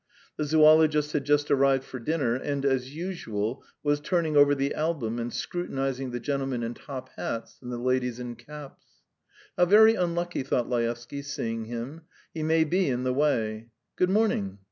The zoologist had just arrived for dinner, and, as usual, was turning over the album and scrutinising the gentlemen in top hats and the ladies in caps. "How very unlucky!" thought Laevsky, seeing him. "He may be in the way. Good morning."